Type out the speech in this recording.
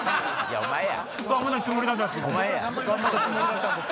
お前や！